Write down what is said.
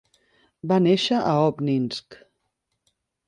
Va néixer a Óbninsk.